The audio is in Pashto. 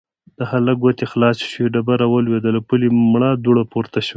د هلک ګوتې خلاصې شوې، ډبره ولوېده، له پولې مړه دوړه پورته شوه.